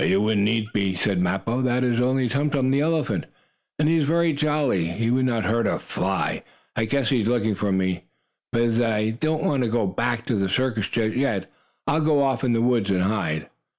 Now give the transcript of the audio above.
"You wouldn't need to be," said Mappo. "That is only Tum Tum, the elephant, and he is very jolly. He would not hurt a fly. I guess he is looking for me, but, as I don't want to go back to the circus just yet, I'll go off in the woods and hide."